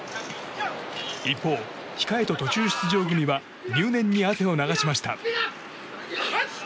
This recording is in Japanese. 一方、控えと途中出場組は入念に汗を流しました。